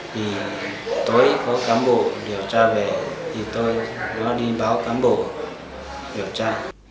vì tối có cán bộ điều tra về thì tôi đi báo cán bộ điều tra